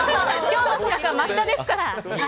今日の主役は抹茶ですから！